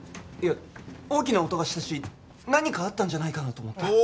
いや大きな音がしたし何かあったんじゃないかなと思って。